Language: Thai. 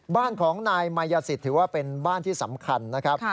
บ้านของนายมายสิทธิ์ถือว่าเป็นบ้านที่สำคัญนะครับ